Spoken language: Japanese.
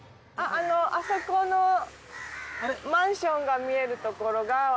あのあそこのマンションが見えるところが。